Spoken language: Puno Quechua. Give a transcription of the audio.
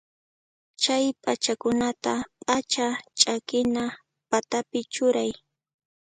Chay p'achakunata p'acha ch'akina patapi churay.